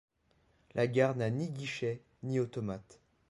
La gare n'a ni guichet ni automates.